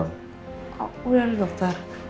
oh udah ada dokter